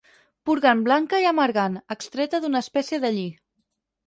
Purgant blanca i amargant, extreta d'una espècie de lli.